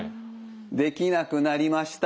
できなくなりました。